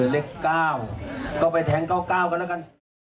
เล็กเก้าก็ไปแท้งเก้ากันละกัน